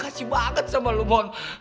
makasih banget sama lo mon